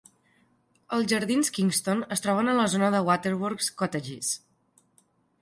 Els jardins Kingston es troben a la zona de Waterworks Cottages.